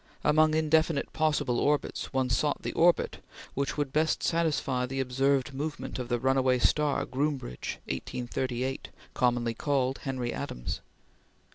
Among indefinite possible orbits, one sought the orbit which would best satisfy the observed movement of the runaway star Groombridge, 1838, commonly called Henry Adams.